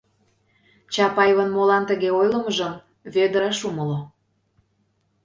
Чапаевын молан тыге ойлымыжым Вӧдыр ыш умыло.